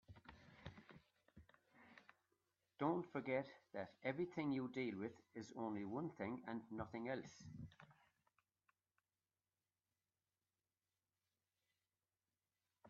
Don't forget that everything you deal with is only one thing and nothing else.